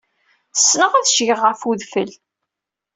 Ssneɣ ad ccgeɣ ɣef wedfel.